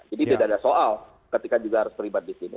jadi tidak ada soal ketika juga harus terlibat di sini